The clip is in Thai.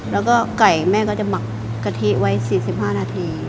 แล้วก็ไก่แม่ก็จะหมักกะทิไว้๔๕นาที